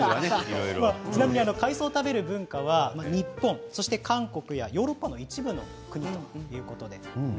ちなみに海藻を食べる文化は日本、韓国ヨーロッパの一部の国ということです。